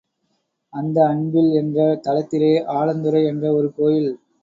அந்த அன்பில் என்ற தலத்திலே, ஆலந்துறை என்ற ஒரு கோயில்.